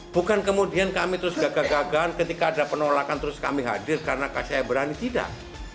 bukan kemudian kami terus gagah gagahan ketika ada penolakan terus kami hadir karena saya berani tidak